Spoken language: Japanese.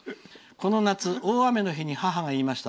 この夏、大雨の日に母が言いました。